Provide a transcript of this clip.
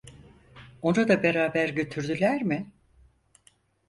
Onu da beraber götürdüler mi?